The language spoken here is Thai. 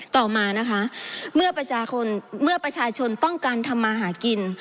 ต่อมานะคะเมื่อประชาชนต้องการทำมาหากิน